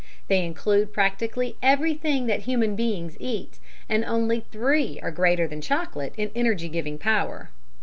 They include practically everything that human beings eat, and only three are greater than chocolate in energy giving power.